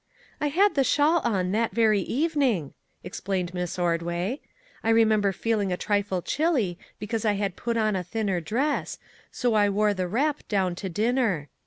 " I had the shawl on that very evening," ex plained Miss Ordway. " I remember feeling a trifle chilly because I had put on a thinner dress, so I wore the wrap down to dinner.